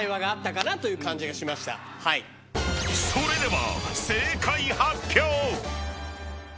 ［それでは］